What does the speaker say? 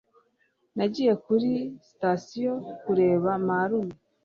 nagiye kuri sitasiyo kureba marume